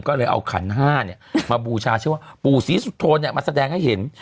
ก็เลยเอาขันห้าเนี่ยมาบูชาชื่อว่าปู่ศรีสุโธมาแสดงให้เห็น